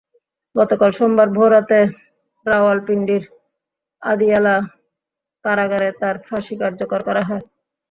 গতকাল সোমবার ভোররাতে রাওয়ালপিন্ডির আদিয়ালা কারাগারে তাঁর ফাঁসি কার্যকর করা হয়।